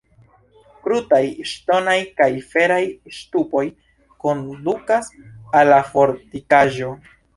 Krutaj ŝtonaj kaj feraj ŝtupoj kondukas al la fortikaĵo.